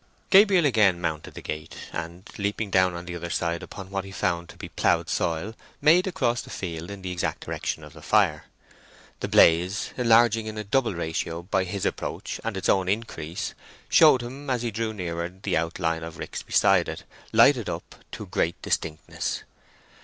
Gabriel again mounted the gate, and, leaping down on the other side upon what he found to be ploughed soil, made across the field in the exact direction of the fire. The blaze, enlarging in a double ratio by his approach and its own increase, showed him as he drew nearer the outlines of ricks beside it, lighted up to great distinctness.